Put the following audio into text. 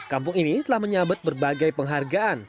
kampung ini telah menyabet berbagai penghargaan